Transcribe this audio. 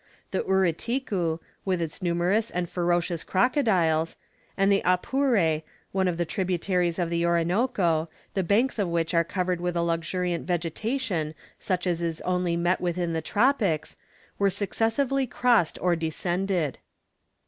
The Uriticu, with its numerous and ferocious crocodiles, and the Apure, one of the tributaries of the Orinoco, the banks of which are covered with a luxuriant vegetation such as is only met with in the tropics, were successively crossed or descended.